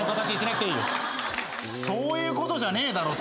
そういうことじゃねえだろ。